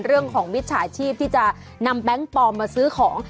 เรื่องของวิทยาชีพที่จะนำแบงค์ปลอมมาซื้อของ